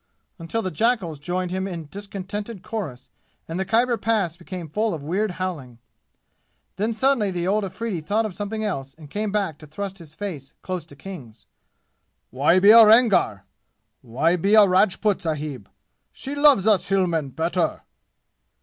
until the jackals joined him in discontented chorus and the Khyber Pass became full of weird howling. Then suddenly the old Afridi thought of something else and came back to thrust his face close to King's. "Why be a Rangar? Why be a Rajput, sahib? She loves us Hillmen better!"